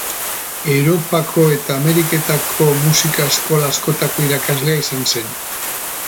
Europako eta Ameriketako musika-eskola askotako irakaslea izan zen.